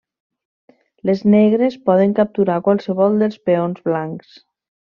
Les negres poden capturar qualsevol dels peons blancs.